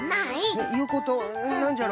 えっいうことなんじゃろ？